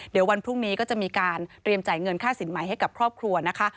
เดี๋ยววันพรุ่งนี้ก็จะมีการเตรียมจ่ายเงินค่าสินใหม่ให้กับครอบครัวนะคะ